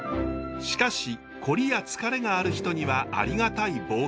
しかしこりや疲れがある人にはありがたい棒灸。